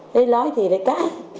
lấy lói thì lấy cá